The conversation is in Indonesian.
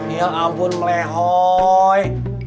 ya ampun melehoi